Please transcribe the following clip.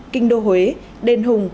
kinh đô huế đền hùng